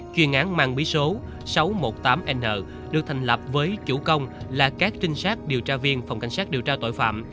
chuyên án mang bí số sáu trăm một mươi tám n được thành lập với chủ công là các trinh sát điều tra viên phòng cảnh sát điều tra tội phạm